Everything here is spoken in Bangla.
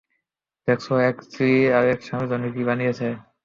দেখেছ, এক স্ত্রী আর স্বামীর জন্য কি বানিয়েছে।